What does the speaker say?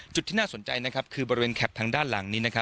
จุดที่น่าสนใจคือบริเวณแคปทางด้านหลังนี้